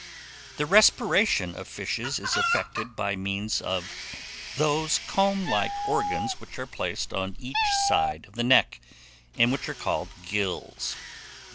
THE RESPIRATION OF FISHES is effected by means of those comb like organs which are placed on each side of the neck, and which are called gills.